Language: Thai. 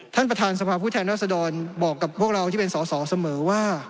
ท่านประธานสภาพผู้แทนรัศดรบอกกับพวกเราที่เป็นสอสอเสมอว่า